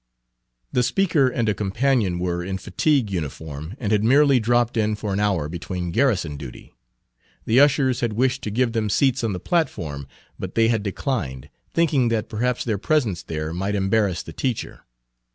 The speaker and a companion were in fatigue uniform, and had merely dropped in for an hour between garrison duty. The ushers had wished to give them seats on the platform, but they had declined, thinking that perhaps their presence there might embarrass the teacher.